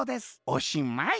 おしまい」。